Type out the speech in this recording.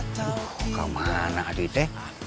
gak mana adite